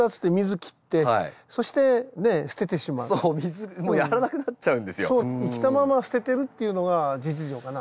生きたまま捨ててるっていうのが実情かな。